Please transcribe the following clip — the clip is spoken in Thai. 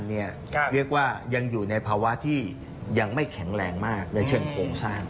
เรียกว่ายังอยู่ในภาวะที่ยังไม่แข็งแรงมากในเชิงโครงสร้าง